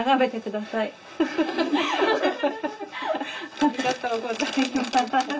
ありがとうございます。